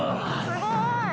すごい。